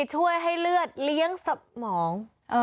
ช่วยให้เลือดเลี้ยงสมอง